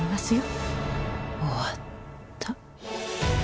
終わった。